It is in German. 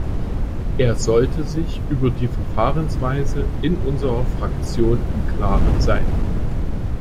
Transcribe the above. Er sollte sich über die Verfahrensweise in unserer Fraktion im klaren sein.